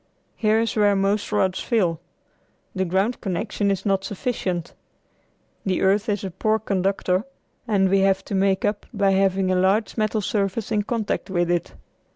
Here is where most rods fail. The ground connection is not sufficient. The earth is a poor conductor, and we have to make up by having a large metal surface in contact with it.